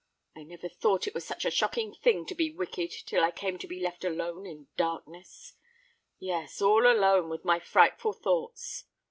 I never thought it was such a shocking thing to be wicked till I came to be left alone in darkness—yes, all alone with my frightful thoughts!